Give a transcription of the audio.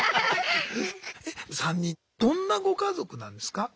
３人どんなご家族なんですか？